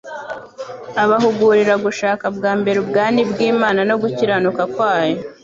Abahugurira gushaka bwa mbere ubwani bw'Imana no gukiranuka kwayo,